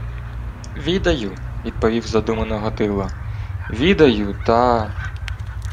— Відаю, — відповів задумано Гатило. — Відаю, та...